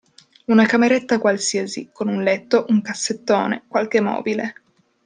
Una cameretta qualsiasi, con un letto, un cassettone, qualche mobile.